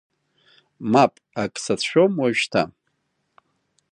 Мап, акы сацәшәом уажәшьҭа.